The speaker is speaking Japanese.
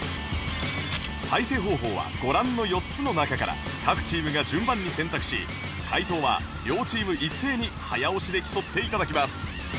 再生方法はご覧の４つの中から各チームが順番に選択し解答は両チーム一斉に早押しで競って頂きます